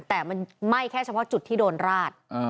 แต่มันไหม้แค่เฉพาะจุดที่โดนราด